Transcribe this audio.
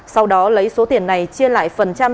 sau đó lấy số tiền này chia lại phần trăm